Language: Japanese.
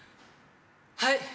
はい。